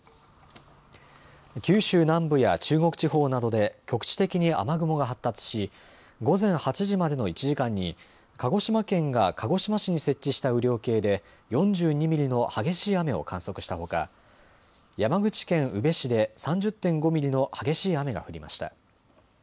九州南部や中国地方などで局地的に雨雲が発達し午前８時までの１時間に鹿児島県が鹿児島市に設置した雨量計で４２ミリの激しい雨を観測したほか山口県宇部市で３０．５ミリの激しい雨が降りました。